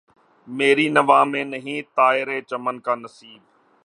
مری نوا میں نہیں طائر چمن کا نصیب